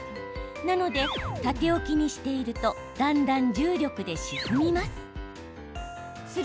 なので、縦置きにしているとだんだん重力で沈みます。